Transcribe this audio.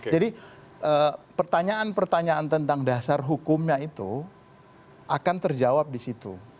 jadi pertanyaan pertanyaan tentang dasar hukumnya itu akan terjawab di situ